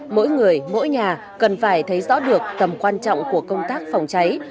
mỗi người mỗi nhà cần phải thấy rõ được tầm quan trọng của công tác phòng cháy